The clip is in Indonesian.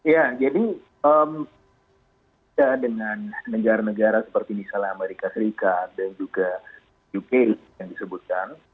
ya jadi dengan negara negara seperti misalnya amerika serikat dan juga uk yang disebutkan